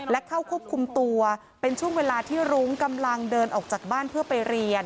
และเข้าควบคุมตัวเป็นช่วงเวลาที่รุ้งกำลังเดินออกจากบ้านเพื่อไปเรียน